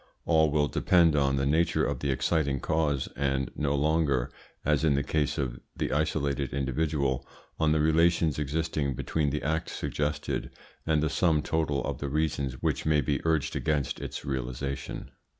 All will depend on the nature of the exciting cause, and no longer, as in the case of the isolated individual, on the relations existing between the act suggested and the sum total of the reasons which may be urged against its realisation.